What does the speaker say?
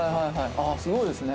あっすごいですね。